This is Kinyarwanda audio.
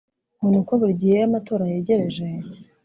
ngo ni uko buri gihe iyo amatora yegereje